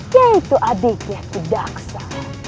yaitu adiknya tidaksa